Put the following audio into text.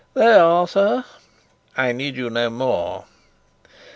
"They are, sir." "I need you no more."